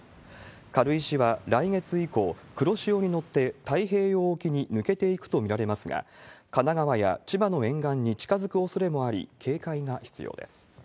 軽石は来月以降、黒潮に乗って太平洋沖に抜けていくと見られますが、神奈川や千葉の沿岸に近づくおそれもあり、警戒が必要です。